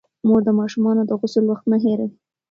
مور د ماشومانو د غسل وخت نه هېروي.